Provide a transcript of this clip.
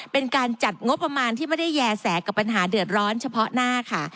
เป็นการจัดงบประมาณที่ไม่ได้แย่แสกับปัญหาเดือดร้อนเฉพาะหน้าค่ะ